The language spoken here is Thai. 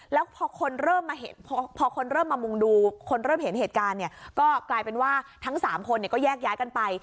แล้วพอคนเริ่มมาพอคนเริ่มมามุงดูคนเริ่มเห็นเหตุการณ์เนี่ยก็กลายเป็นว่าทั้ง๓คนก็แยกย้ายกันไป